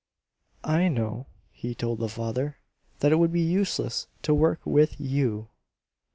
"I know," he told the father, "that it would be useless to work with YOU.